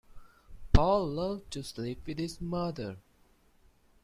Paul loved to sleep with his mother.